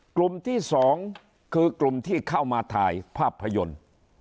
กลุ่มที่๒คือกลุ่มที่เข้ามาถ่ายภาพยนตร์